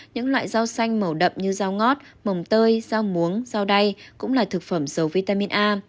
những loại rau xanh màu đậm như rau ngót mồng tơi rau muống rauy cũng là thực phẩm dầu vitamin a